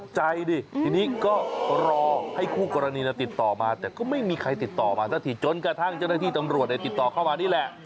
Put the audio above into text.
จนกระทั่งเช่นน้หาที่ตำรวจเนี่ยติดต่อเข้ามานี่แหละ